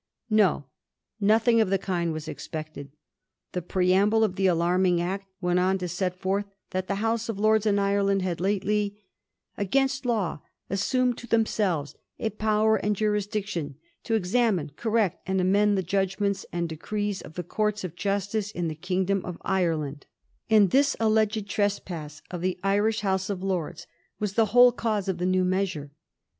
No ; nothing of the kind was expected. The preamble of the alarming Act went on to set forth that the House of Lords in Ireland had lately, ^ against law, assumed to themselves a power and jurisdiction to examine, correct, and amend the judgments and decrees of the courts of justice in the kingdom of Ireland; ' and this alleged trespass of the Irish House Digiti zed by Google 1720. THE lEISH HOUSE OF LORDS. 233 of Lords was the whole cause of the new measure.